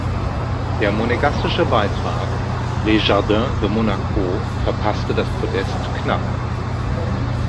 Der monegassische Beitrag "Les Jardins de Monaco" verpasste das Podest knapp.